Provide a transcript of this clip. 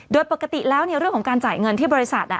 โดยปกติแล้วเรื่องของการจ่ายเงินที่บริษัท